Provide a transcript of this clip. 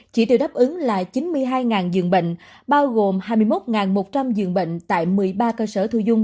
chỉ tiêu đáp ứng là chín mươi hai dường bệnh bao gồm hai mươi một một trăm linh giường bệnh tại một mươi ba cơ sở thu dung